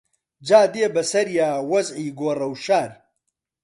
جا دێ بەسەریا وەزعی گۆڕەوشار